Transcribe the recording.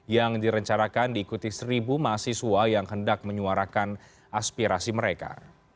yang direncanakan diikuti seribu mahasiswa yang hendak menyuarakan aspirasi mereka